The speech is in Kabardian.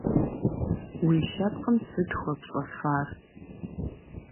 Уи лъэпкъым сыт хуэпщӀэфа?